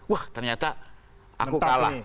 wah ternyata aku kalah